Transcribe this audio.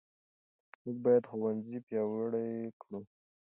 موږ باید ښوونځي پیاوړي کړو.